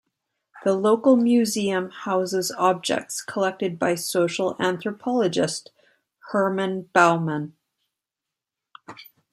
The local museum houses objects collected by social anthropologist, Hermann Baumann.